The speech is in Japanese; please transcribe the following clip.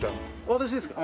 私ですか？